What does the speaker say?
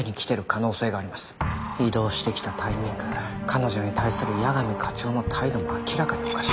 異動してきたタイミング彼女に対する矢上課長の態度も明らかにおかしい。